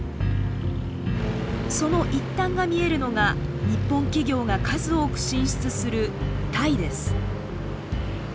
その一端が見えるのが日本企業が数多く進出するタイです。